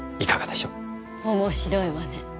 面白いわね。